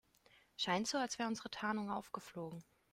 Scheint so, als wäre unsere Tarnung aufgeflogen.